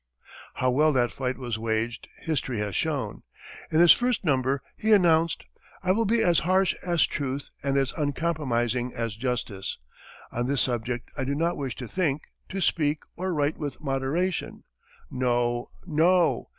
How well that fight was waged history has shown. In his first number he announced: "I will be as harsh as truth and as uncompromising as justice. On this subject I do not wish to think, to speak, or write with moderation. No! No!